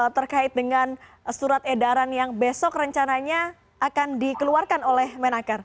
terkait dengan surat edaran yang besok rencananya akan dikeluarkan oleh menaker